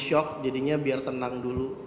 shock jadinya biar tenang dulu